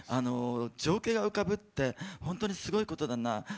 情景が浮かぶって本当にすごいことだなと。